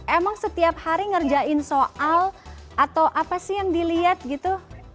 emang setiap hari ngerjain soal atau apa sih yang dilihat gitu